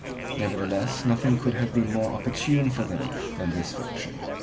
Nevertheless nothing could have been more opportune for them than this victory.